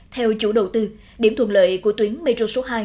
theo chủ đầu tư điểm thuận lợi của tuyến metro số hai